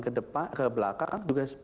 ke depan ke belakang juga